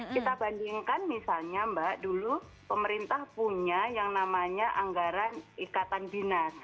kita bandingkan misalnya mbak dulu pemerintah punya yang namanya anggaran ikatan dinas